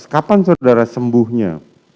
kapan saudara sembuhnya